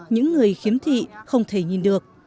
những người khiếm thị không thể nhìn được